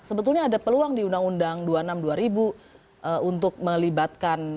sebetulnya ada peluang di undang undang dua puluh enam dua ribu untuk melibatkan